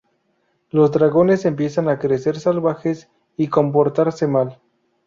Los dragones empiezan a crecer salvajes y comportarse mal.